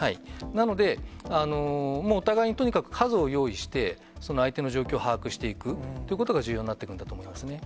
なので、もうお互いにとにかく数を用意して、その相手の状況を把握していくということが重要になってくるんだと思いますね。